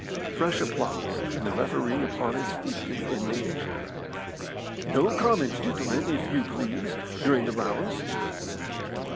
Fresh applause, and the referee upon his feet in indignation.. "No comments, gentlemen, if you please, during the rounds."